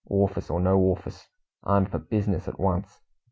Orfice, or no orfice, I'm for bizness at once!